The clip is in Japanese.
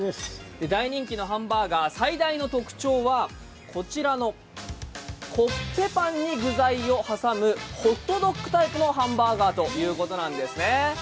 大人気のハンバーガー、最大の特徴はこちらのコッペパンに具材を挟むホットドッグタイプのハンバーガーということなんですね。